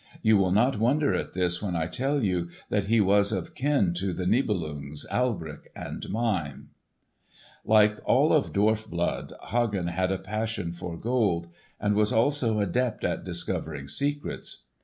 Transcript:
You will not wonder at this when I tell you that he was of kin to the Nibelungs, Alberich and Mime. Like all of dwarf blood, Hagen had a passion for gold, and was also adept at discovering secrets.